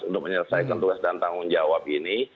untuk menyelesaikan tugas dan tanggung jawab ini